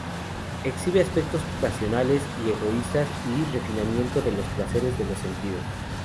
Exhibe aspectos pasionales y egoístas, y refinamiento de los placeres de los sentidos.